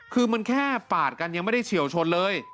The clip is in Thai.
คือมันแค่ปาดกันยังไม่ได้เฉียวชนเลย